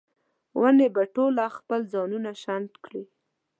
ونې به ټوله خپل ځانونه شنډ کړي